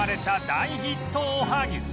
大ヒットおはぎ